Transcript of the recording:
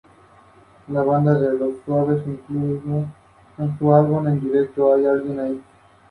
Se extiende en dirección sur hasta llegar a la costa sur de la isla.